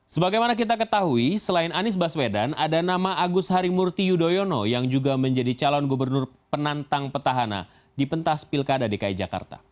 sebagaimana kita ketahui selain anies baswedan ada nama agus harimurti yudhoyono yang juga menjadi calon gubernur penantang petahana di pentas pilkada dki jakarta